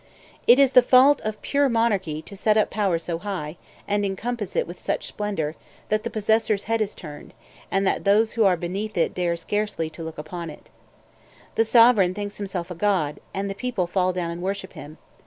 It is the fault of pure monarchy to set up power so high, and encompass it with such splendor, that the possessor's head is turned, and that those who are beneath it dare scarcely look upon it. The sovereign thinks himself a god; and the people fall down and worship him.